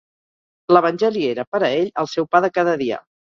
L’evangeli era per a ell el seu pa de cada dia.